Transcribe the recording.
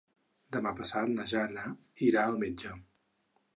Demà passat na Jana irà al metge.